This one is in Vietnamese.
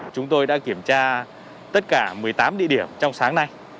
chúng tôi đã kiểm tra tất cả một mươi tám địa điểm trong sáng nay